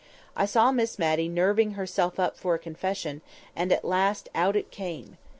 I saw Miss Matty nerving herself up for a confession; and at last out it came.